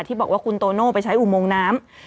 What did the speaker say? ที่บอกว่าคุณโตโน่ไปใช้อุโมงน้ำ